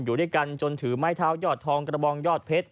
อยู่ด้วยกันจนถือไม้เท้ายอดทองกระบองยอดเพชร